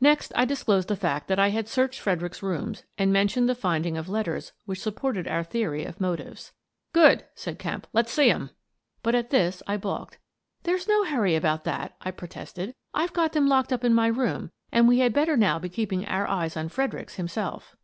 Next, I disclosed the fact that I had searched Fredericks's rooms and mentioned the finding of let ters which supported our theory of motives. " Good," said Kemp, " let's see 'em." But at this I balked. " There's no hurry about that," I protested. " I've got them locked up in my room and we had better now be keeping our eyes on Fredericks himself."